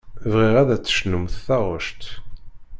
Bɣiɣ ad d-tecnumt taɣect.